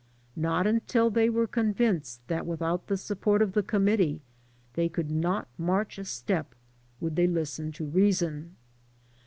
Not mitil they were convinced that without the support of the committee they could not march a step, would they listen to reason.